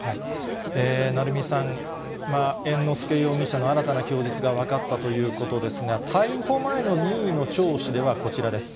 鳴海さん、猿之助容疑者の新たな供述が分かったということですが、逮捕前の任意の聴取ではこちらです。